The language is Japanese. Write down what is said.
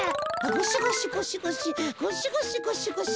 ゴシゴシゴシゴシ。